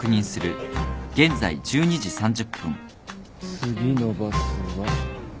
次のバスは。